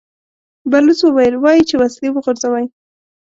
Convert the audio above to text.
بلوڅ وويل: وايي چې وسلې وغورځوئ!